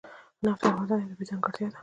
نفت د افغانستان یوه طبیعي ځانګړتیا ده.